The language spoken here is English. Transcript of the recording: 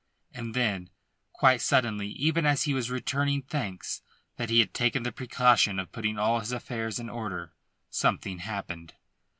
And then, quite suddenly, even as he was returning thanks that he had taken the precaution of putting all his affairs in order, something happened.